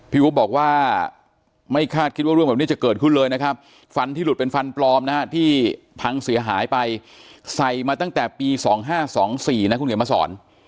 อุ๊บบอกว่าไม่คาดคิดว่าเรื่องแบบนี้จะเกิดขึ้นเลยนะครับฟันที่หลุดเป็นฟันปลอมนะฮะที่พังเสียหายไปใส่มาตั้งแต่ปี๒๕๒๔นะคุณเขียนมาสอน